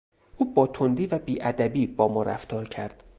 او با تندی و بیادبی با ما رفتار کرد.